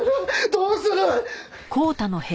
どうする！？